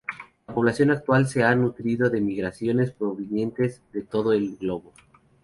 La población actual se ha nutrido de migraciones provenientes de todo el globo.